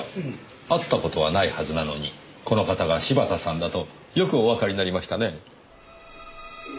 会った事はないはずなのにこの方が柴田さんだとよくおわかりになりましたね。